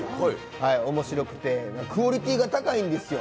面白くて、クオリティーが高いんですよ。